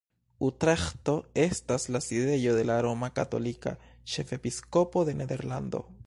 Utreĥto estas la sidejo de la roma katolika ĉefepiskopo de Nederlando.